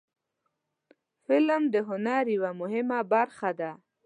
فلم د هنر یوه مهمه برخه ده